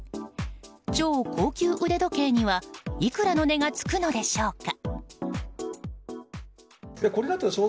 超高級腕時計にはいくらの値がつくのでしょうか。